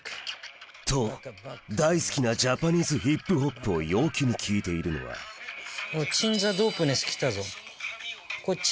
と大好きなジャパニーズヒップホップを陽気に聴いているのは鎮座ＤＯＰＥＮＥＳＳ来たぞ。